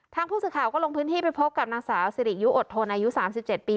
ทางผู้สื่อข่าวก็ลงพื้นที่ไปพบกับนางสาวสิริยุอดทนอายุ๓๗ปี